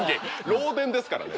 漏電ですからね。